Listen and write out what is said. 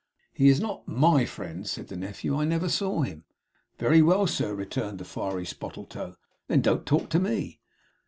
'He is not MY friend,' said the nephew. 'I never saw him.' 'Very well, sir,' returned the fiery Spottletoe. 'Then don't talk to me!